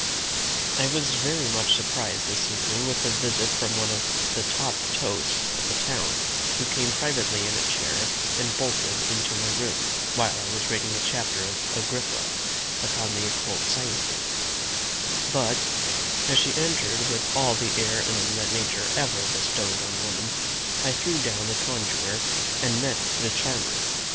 I was very much surprised this evening with a visit from one of the top Toasts of the town, who came privately in a chair, and bolted into my room, while I was reading a chapter of Agrippa upon the occult sciences; but, as she entered with all the air and bloom that nature ever bestowed on woman, I threw down the conjurer, and met the charmer.